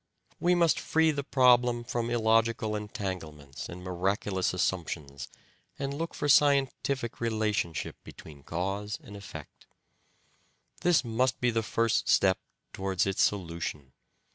We must free the problem from illogical entanglements and miraculous assumptions, and look for scientific relation ship between cause and effect. This must be the first step towards its solution.